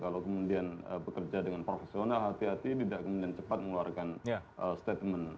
kalau kemudian bekerja dengan profesional hati hati tidak kemudian cepat mengeluarkan statement